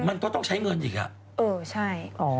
มันต้องใช้เงินอย่างเงี้ย